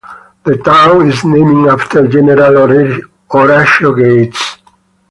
The town is named after General Horatio Gates.